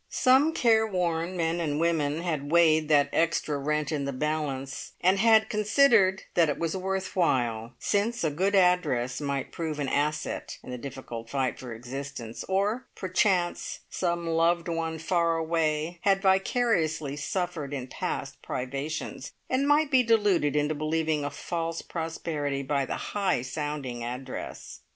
Some careworn men and women had weighed that extra rent in the balance, and had considered that it was "worth while," since a good address might prove an asset in the difficult fight for existence, or perchance some loved one far away had vicariously suffered in past privations, and might be deluded into believing in a false prosperity by the high sounding address.